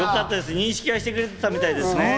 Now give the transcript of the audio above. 認識してくれていたみたいですね。